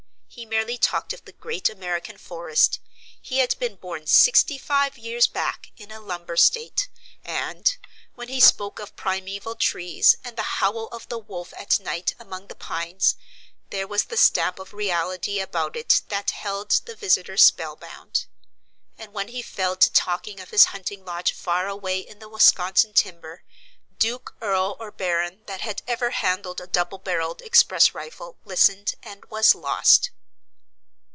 He merely talked of the great American forest he had been born sixty five years back, in a lumber state and, when he spoke of primeval trees and the howl of the wolf at night among the pines, there was the stamp of reality about it that held the visitor spellbound; and when he fell to talking of his hunting lodge far away in the Wisconsin timber, duke, earl, or baron that had ever handled a double barrelled express rifle listened and was lost.